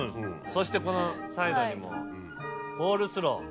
そしてこのサイドにもコールスロー。